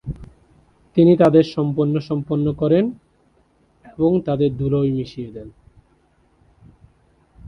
তিনি তাদের সম্পন্ন সম্পন্ন করেন এবং তাদের ধুলোয় মিশিয়ে দেন।